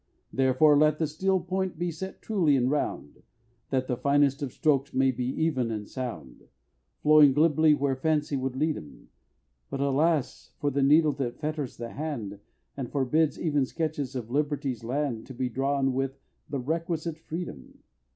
Therefore, let the steel point be set truly and round, That the finest of strokes may be even and sound, Flowing glibly where fancy would lead 'em. But alas! for the needle that fetters the hand, And forbids even sketches of Liberty's land To be drawn with the requisite freedom!